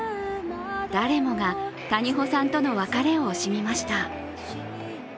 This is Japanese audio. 誰もが谷保さんとの別れを惜しみました。